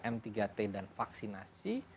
m tiga t dan vaksinasi